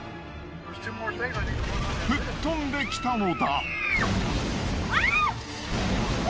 吹っ飛んできたのだ。